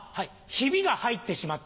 ヒビが入ってしまった。